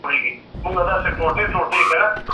اکسیټوسین د اعتماد او مهربانۍ احساس زیاتوي.